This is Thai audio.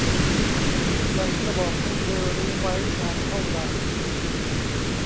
อยากจะบอกให้เธอรู้ไว้ นานเท่าไร